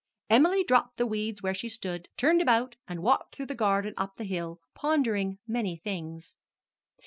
Emily dropped the weeds where she stood, turned about, and walked through the garden and up the hill, pondering many things.